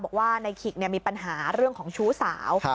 บอกว่าในขิกมีปัญหาเรื่องของชู้สาว